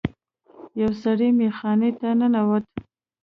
یو سړی میخانې ته ننوت.